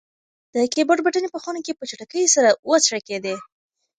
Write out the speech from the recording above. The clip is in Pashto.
د کیبورډ بټنې په خونه کې په چټکۍ سره وتړکېدې.